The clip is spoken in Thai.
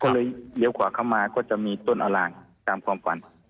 เร็วขวาเข้ามาก็จะมีต้นอลางตามความฝัน